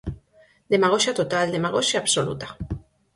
Demagoxia total, demagoxia absoluta.